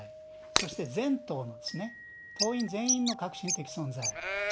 そして全党のですね、党員全員の革新的存在。